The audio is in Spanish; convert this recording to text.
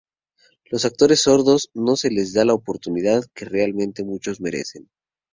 Los actores sordos no se les da la oportunidad de que realmente muchos merecen.